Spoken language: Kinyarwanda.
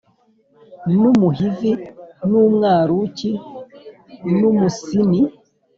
n Umuhivi n Umwaruki n Umusini